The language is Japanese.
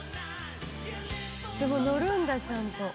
でも載るんだちゃんと。